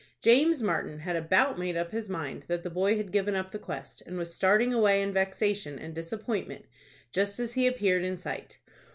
James Martin had about made up his mind that the boy had given up the quest, and was starting away in vexation and disappointment, just as he appeared in sight.